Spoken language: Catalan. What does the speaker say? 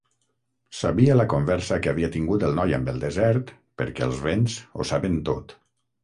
Sabia la conversa que havia tingut el noi amb el desert perquè els vents ho saben tot.